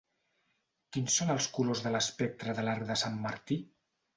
Quins són els colors de l'espectre de l'arc de Sant Martí?